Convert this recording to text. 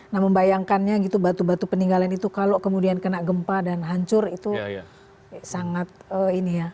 nah membayangkannya gitu batu batu peninggalan itu kalau kemudian kena gempa dan hancur itu sangat ini ya